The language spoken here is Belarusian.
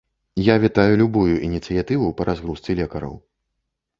Я вітаю любую ініцыятыву па разгрузцы лекараў.